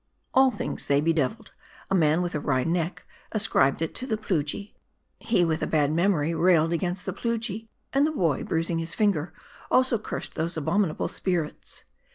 All things they bedeviled. A man with a wry neck M A R D I. 305 ascribed it to the Plujii ; he with a bad memory raikd against the Plujii ; and the boy, bruising his finger, also cursed those abominable spirits.